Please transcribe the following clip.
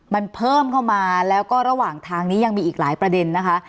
มันเพิ่มเข้ามาแล้วก็ระหว่างทางนี้ยังมีอีกหลายประเด็นนะคะ